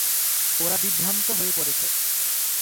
ওরা বিভ্রান্ত হয়ে পড়েছে।